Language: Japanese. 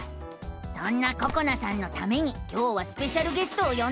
そんなここなさんのために今日はスペシャルゲストをよんでるのさ！